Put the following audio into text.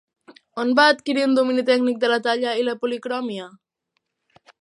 On va adquirir un domini tècnic de la talla i la policromia?